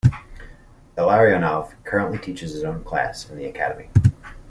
Illarionov currently teaches his own class in the Academy.